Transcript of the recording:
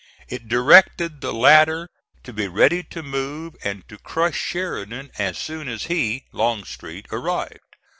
It directed the latter to be ready to move and to crush Sheridan as soon as he, Longstreet, arrived.